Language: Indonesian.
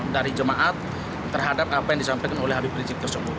dari jemaat terhadap apa yang disampaikan oleh habib rizik tersebut